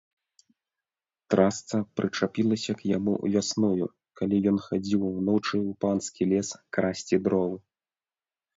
Трасца прычапілася к яму вясною, калі ён хадзіў уночы ў панскі лес красці дровы.